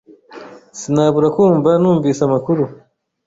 Sinabura kumva numvise amakuru .